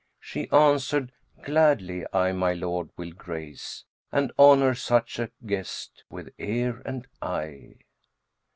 She answered, 'Gladly I, my lord, will grace * And honour such a guest with ear and eye.'"